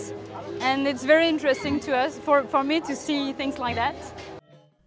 dan ini sangat menarik untuk saya melihat hal seperti ini